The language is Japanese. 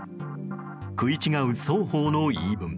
食い違う双方の言い分。